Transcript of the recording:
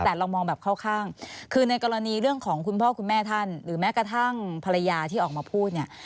แต่เรามองแบบเข้าข้างคือในกรณีเรื่องของคุณพ่อคุณแม่ท่านหรือแม้กระทั่งภรรยาที่ออกมาพูดเนี่ย